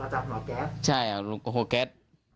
เหมือนอาจารย์ห่วงแก๊สใช่ห่วงแก๊ส